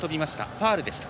ファウルでした。